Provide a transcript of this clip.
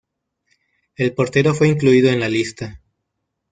El portero fue incluido en la lista.